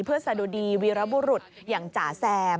เพื่อสะดุดีวีรบุรุษอย่างจ๋าแซม